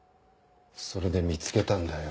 それで見つけたんだよ